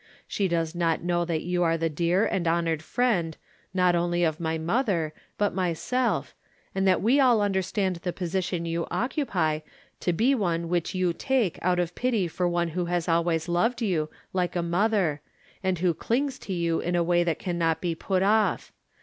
She does not know that you are the dear and honored friend, not only of my mother, but myself, and that we aU understand the posi tion you occupy to be one which you take out of pity for one who has always loved you like a mother, and who clings to you in a way that can not be put off.